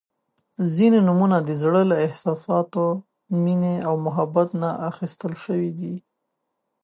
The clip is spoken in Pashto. • ځینې نومونه د زړۀ له احساساتو، مینې او محبت نه اخیستل شوي دي.